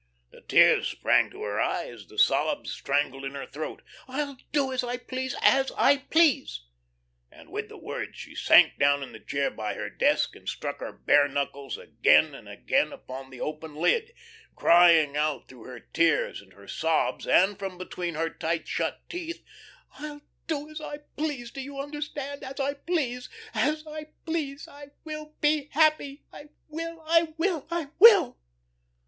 The tears sprang to her eyes, the sobs strangled in her throat. "I'll do as I please, as I please," and with the words she sank down in the chair by her desk and struck her bare knuckles again and again upon the open lid, crying out through her tears and her sobs, and from between her tight shut teeth: "I'll do as I please, do you understand? As I please, as I please! I will be happy. I will, I will, I will!"